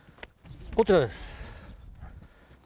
こちらです。